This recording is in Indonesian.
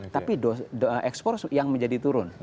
tapi ekspor yang menjadi turun